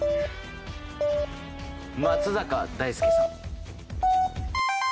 松坂大輔さん。